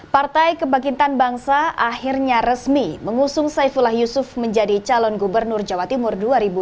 partai kebangkitan bangsa akhirnya resmi mengusung saifullah yusuf menjadi calon gubernur jawa timur dua ribu dua puluh